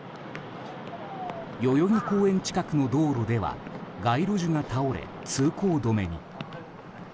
代々木公園近くの道路では街路樹が倒れ、通行止めに。